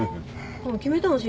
決めたの？